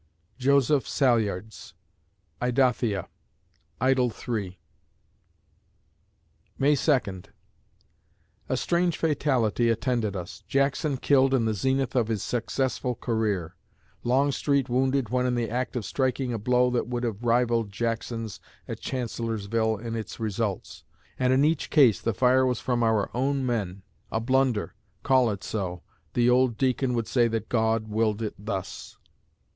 JOSEPH SALYARDS (Idothea; Idyl III) May Second A strange fatality attended us! Jackson killed in the zenith of his successful career; Longstreet wounded when in the act of striking a blow that would have rivalled Jackson's at Chancellorsville in its results; and in each case the fire was from our own men! A blunder! Call it so; the old deacon would say that God willed it thus.